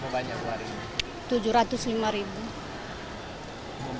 berapa banyak barang